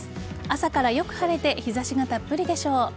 朝からよく晴れて日差しがたっぷりでしょう。